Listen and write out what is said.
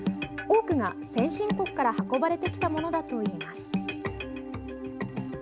多くが先進国から運ばれてきたものだといいます。